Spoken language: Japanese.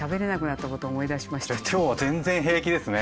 じゃあ今日は全然平気ですね。